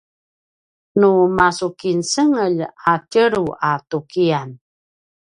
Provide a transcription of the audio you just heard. nu masukincengelj a tjelu a tukiyan